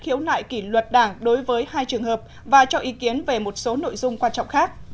khiếu nại kỷ luật đảng đối với hai trường hợp và cho ý kiến về một số nội dung quan trọng khác